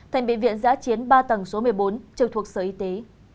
thành bệnh viện giã chiến ba tầng số một mươi bốn trực thuộc sở y tế